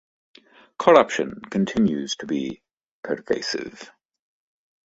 Corruption continues to be pervasive.